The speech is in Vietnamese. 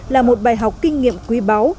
là một bài học kinh nghiệm quý báu